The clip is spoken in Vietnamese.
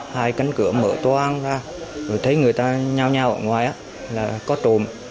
hai cánh cửa mở toan ra rồi thấy người ta nhao nhao ở ngoài là có trộm